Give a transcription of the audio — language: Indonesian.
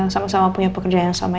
sama sama punya pekerjaan yang sama